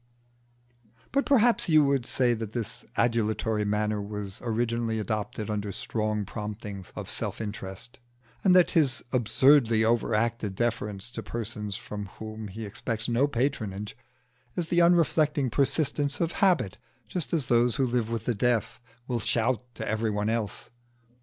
But perhaps you would say that his adulatory manner was originally adopted under strong promptings of self interest, and that his absurdly over acted deference to persons from whom he expects no patronage is the unreflecting persistence of habit just as those who live with the deaf will shout to everybody else.